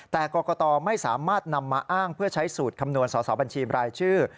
แต่กรกตไม่สามารถนำมาอ้างเพื่อใช้สูตรคำนวณสอสอบัญชีบรายชื่อ